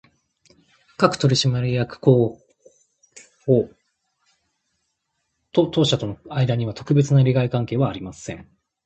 各取締役候補と当社との間には、特別な利害関係はありません